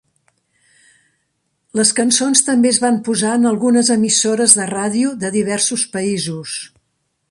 Les cançons també es van posar en algunes emissores de ràdio de diversos països.